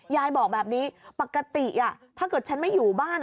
ยายบอกแบบนี้ปกติถ้าเกิดฉันไม่อยู่บ้าน